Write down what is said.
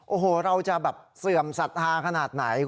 โอ้โหอย่าตีกัน